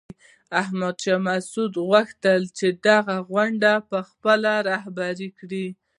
احمد شاه مسعود غوښتل چې دغه غونډه په خپله رهبري کړي.